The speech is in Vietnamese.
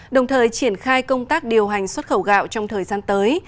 đồng thời triển khai công tác điều hành xuất khẩu gạo trong thời gian tới